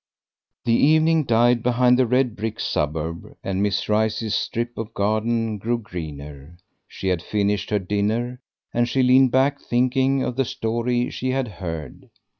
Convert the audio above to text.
The evening died behind the red brick suburb, and Miss Rice's strip of garden grew greener. She had finished her dinner, and she leaned back thinking of the story she had heard.